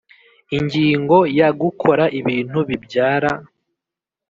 Ingingo ya Gukora ibintu bibyara